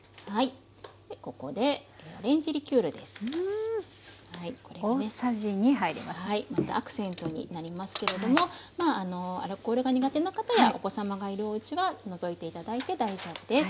でここでアクセントになりますけれどもアルコールが苦手な方やお子様がいるおうちは除いて頂いて大丈夫です。